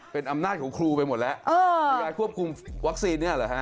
เป็นอำนาจของครูไปหมดแล้วในการควบคุมวัคซีนเนี่ยเหรอฮะ